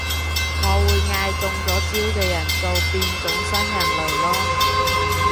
我會嗌中咗招嘅人做變種新人類囉